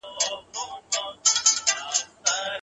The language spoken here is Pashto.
بد زړه بد عمل زېږوي